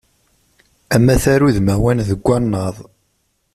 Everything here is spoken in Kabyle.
Amatar udmawan deg wannaḍ.